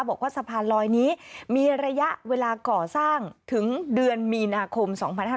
บอกว่าสะพานลอยนี้มีระยะเวลาก่อสร้างถึงเดือนมีนาคม๒๕๕๙